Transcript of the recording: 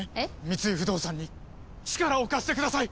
三井不動産に力を貸してください！